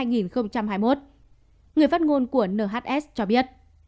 người phát ngôn của nhs cho biết